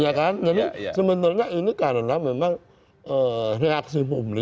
ya kan jadi sebenarnya ini karena memang reaksi publik